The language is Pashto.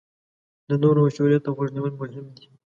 د نورو مشورې ته غوږ نیول مهم دي.